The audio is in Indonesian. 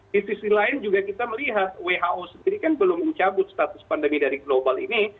di sisi lain juga kita melihat who sendiri kan belum mencabut status pandemi dari global ini